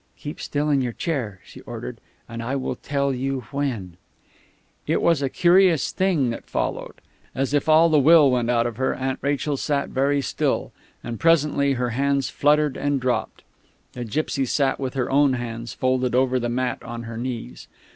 Keep still in your chair," she ordered, "and I will tell you when " It was a curious thing that followed. As if all the will went out of her, Aunt Rachel sat very still; and presently her hands fluttered and dropped. The gipsy sat with her own hands folded over the mat on her knees.